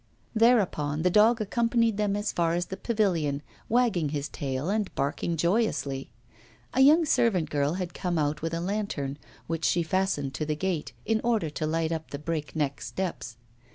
Thereupon the dog accompanied them as far as the pavilion, wagging his tail and barking joyously. A young servant girl had come out with a lantern, which she fastened to the gate, in order to light up the breakneck steps.